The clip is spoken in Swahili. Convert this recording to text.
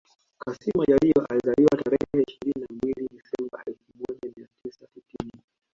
Kassim Majaliwa alizaliwa tarehe ishirini na mbili Disemba elfu moja mia tisa sitini